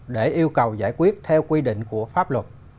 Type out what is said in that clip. để yêu cầu giải quyết theo quy định của pháp luật